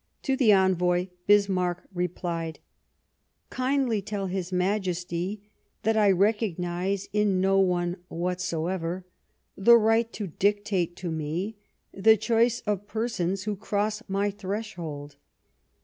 To the envoy Bismarck replied :" Kindly tell his Majesty that I recognize in no one whatsoever the right to dictate to me the choice of persons who cross my threshold."